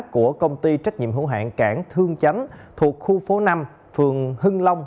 của công ty trách nhiệm hữu hạn cảng thương chánh thuộc khu phố năm phường hưng long